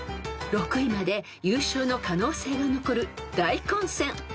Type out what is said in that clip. ［６位まで優勝の可能性が残る大混戦］